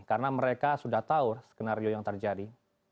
karena mereka sudah tahu skenario yang terjadi